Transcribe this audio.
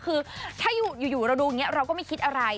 คือถ้าอยู่เราดูอย่างนี้เราก็ไม่คิดอะไร